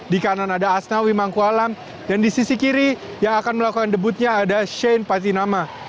di kanan ada asnawi mangkualam dan di sisi kiri yang akan melakukan debutnya ada shane patinama